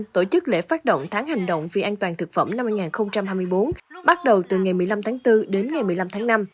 tổ chức lễ phát động tháng hành động vì an toàn thực phẩm năm hai nghìn hai mươi bốn bắt đầu từ ngày một mươi năm tháng bốn đến ngày một mươi năm tháng năm